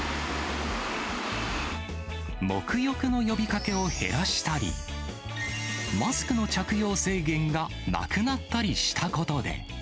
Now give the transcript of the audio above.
黙浴の呼びかけを減らしたり、マスクの着用制限がなくなったりしたことで。